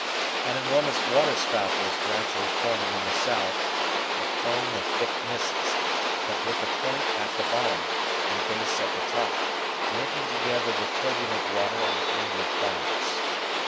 An enormous water spout was gradually forming in the south a cone of thick mists, but with the point at the bottom, and base at the top, linking together the turbulent water and the angry clouds.